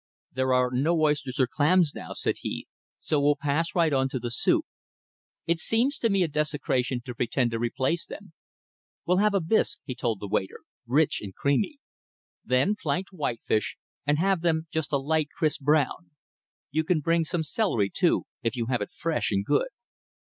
"There are no oysters and clams now," said he, "so we'll pass right on to the soup. It seems to me a desecration to pretend to replace them. We'll have a bisque," he told the waiter, "rich and creamy. Then planked whitefish, and have them just a light crisp, brown. You can bring some celery, too, if you have it fresh and good.